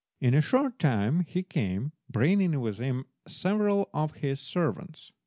In a short time he came, bringing with him several of his servants.